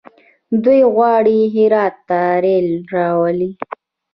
دوی غواړي هرات ته ریل راولي.